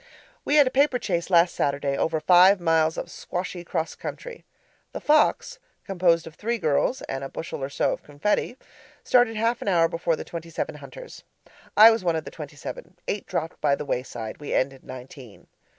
We had a paper chase last Saturday over five miles of squashy 'cross country. The fox (composed of three girls and a bushel or so of confetti) started half an hour before the twenty seven hunters. I was one of the twenty seven; eight dropped by the wayside; we ended nineteen.